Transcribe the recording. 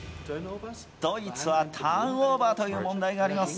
ドイツはターンオーバーという問題があります。